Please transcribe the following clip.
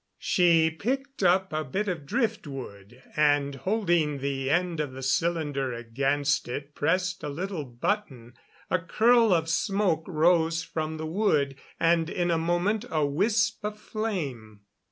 She picked up a bit of driftwood, and, holding the end of the cylinder against it, pressed a little button. A curl of smoke rose from the wood, and in a moment a wisp of flame.